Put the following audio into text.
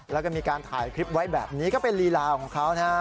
แล้วก็มีการถ่ายคลิปไว้แบบนี้ก็เป็นลีลาของเขานะฮะ